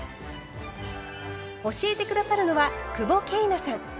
教えて下さるのは久保桂奈さん。